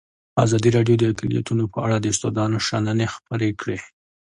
ازادي راډیو د اقلیتونه په اړه د استادانو شننې خپرې کړي.